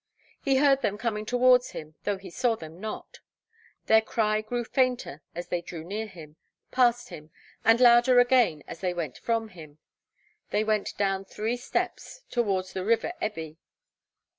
'He heard them coming towards him, though he saw them not.' Their cry grew fainter as they drew near him, passed him, and louder again as they went from him. They went down the steeps towards the river Ebwy.